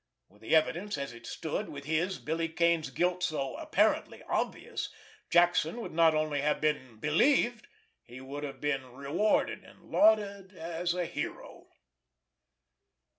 With the evidence as it stood, with his, Billy Kane's guilt so apparently obvious, Jackson would not only have been believed, but would have been rewarded and lauded as a hero.